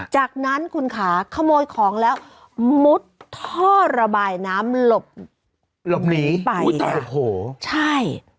หลังจากนั้น่ั้นคุณค่าขโมยของแล้วมุดท่อระบายน้ำหลบหนีไป